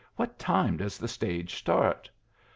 What time does the stage start?